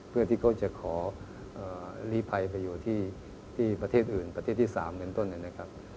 เพื่อที่เขาจะขอลีภัยไปอยู่ที่ประเทศอื่นประเทศที่๓เป็นต้นนะครับ